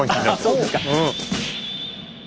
あっそうですか。